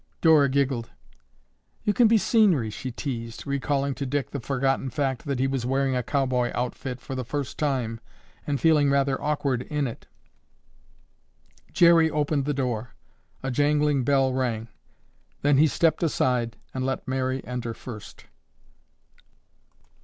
Dora giggled. "You can be scenery," she teased, recalling to Dick the forgotten fact that he was wearing a cowboy outfit for the first time and feeling rather awkward in it. Jerry opened the door, a jangling bell rang; then he stepped aside and let Mary enter first.